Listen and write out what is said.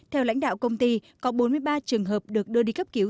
theo lãnh đạo công ty có bốn mươi ba trường hợp được đưa đi cấp cứu